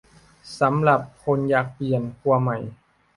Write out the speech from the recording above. สำหรับคนอยากเปลี่ยนครัวใหม่